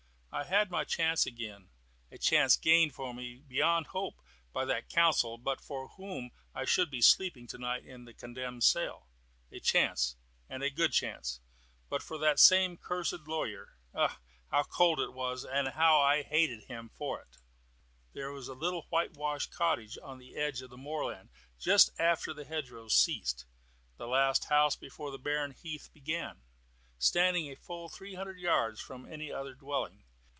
I had my chance again a chance gained for me beyond hope by that counsel but for whom I should be sleeping to night in the condemned cell; a chance, and a good chance, but for that same cursed lawyer. Ugh! how cold it was, and how I hated him for it! There was a little whitewashed cottage on the edge of the moorland just after the hedgerows ceased the last house before the barren heath began, standing a full three hundred yards from any other dwelling.